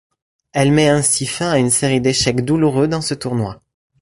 Elle met ainsi fin à une série d'échecs douloureux dans ce tournoi.